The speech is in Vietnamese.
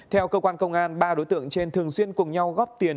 theo cơ quan công an ba đối tượng trên thường xuyên cùng nhau góp tiền